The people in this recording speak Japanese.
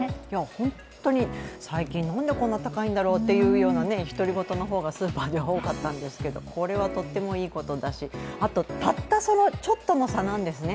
本当に最近なんでこんなに高いんだろうという独り言の方がスーパーでは多かったんですけど、これはとってもいいことだしたったちょっとの差なんですね。